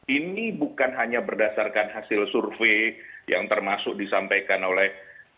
ini bukan hanya berdasarkan hasil survei yang termasuk disampaikan oleh